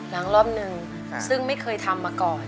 รอบนึงซึ่งไม่เคยทำมาก่อน